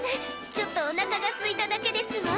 ちょっとおなかがすいただけですわ。